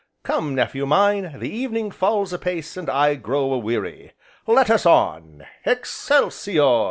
Come, nephew mine, the evening falls apace, and I grow aweary, let us on Excelsior!"